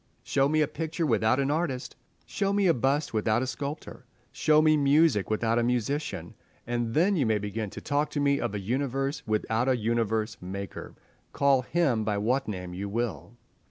Show me a picture without an artist, show me a bust without a sculptor, show me music without a musician, and then you may begin to talk to me of a universe without a Universe maker, call Him by what name you will.